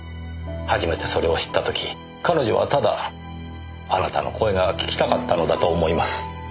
初めてそれを知った時彼女はただあなたの声が聞きたかったのだと思います。